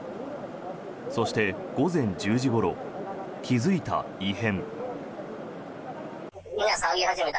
そして、午前１０時ごろ気付いた異変。